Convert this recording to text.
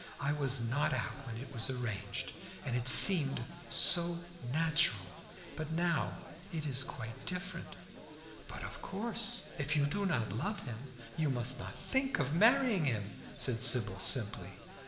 "I was not out when it was arranged, and it seemed so natural. But now it is quite different." "But of course, if you do not love him, you must not think of marrying him," said Sybil, simply.